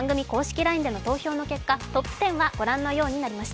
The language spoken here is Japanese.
ＬＩＮＥでの投票の結果、トップ１０はご覧のようになりました。